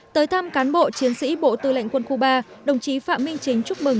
tới thăm cán bộ chiến sĩ bộ tư lệnh quân khu ba đồng chí phạm minh chính chúc mừng